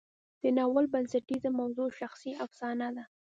د ناول بنسټیزه موضوع شخصي افسانه ده.